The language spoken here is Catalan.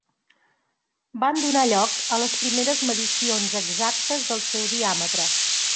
Van donar lloc a les primeres medicions exactes del seu diàmetre.